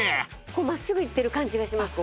真っすぐいってる感じがします。